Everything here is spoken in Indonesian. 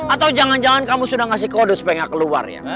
atau jangan jangan kamu sudah ngasih kode supaya nggak keluar ya